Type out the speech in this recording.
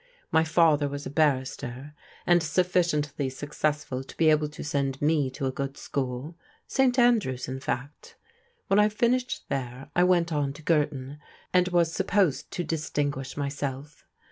My father was a barrister, and sufficiently successful to be able to send me to a good school — St. Andrew's, in fact. When I fin ished there I went on to Girton, and was supposed to dis tinguish myself.